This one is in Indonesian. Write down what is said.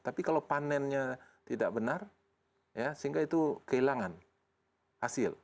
tapi kalau panennya tidak benar sehingga itu kehilangan hasil